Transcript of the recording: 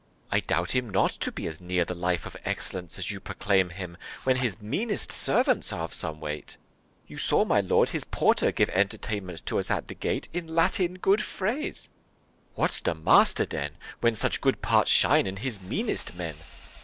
ERASMUS. I doubt him not To be as near the life of excellence As you proclaim him, when his meanest servants Are of some weight: you saw, my lord, his porter Give entertainment to us at the gate In Latin good phrase; what's the master, then, When such good parts shine in his meanest men?